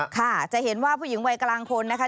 ค่ะจะเห็นว่าผู้หญิงวัยกลางคนนะคะ